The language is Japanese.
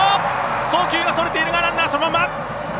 送球はそれているがランナーそのまま！